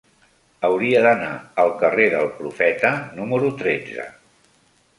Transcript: Hauria d'anar al carrer del Profeta número tretze.